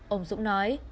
ông dũng nói